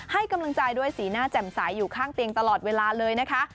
ให้กำลังใจด้วยสีหน้าแจ่มใสอยู่ข้างเตียงตลอดเวลาเลยนะคะ